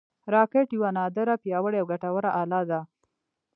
راکټ یوه نادره، پیاوړې او ګټوره اله ده